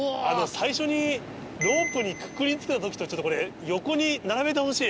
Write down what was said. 最初にロープにくくりつけた時と横に並べてほしい。